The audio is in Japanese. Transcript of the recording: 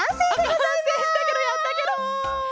あっかんせいしたケロやったケロ！